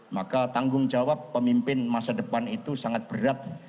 maka tanggung jawab pemimpin masa depan itu sangat berat